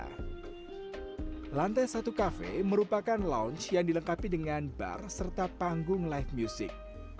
lantai satu kafe merupakan lounge yang dilengkapi dengan bar serta panggung live music